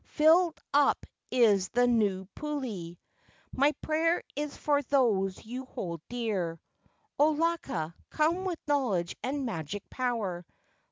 Filled up is the Nuu pule. My prayer is for those you hold dear O Laka, come with knowledge and magic power!